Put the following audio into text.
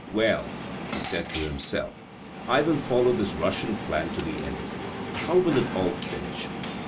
" Well," he said to himself, " I will follow this Russian plan to the end. How will it all finish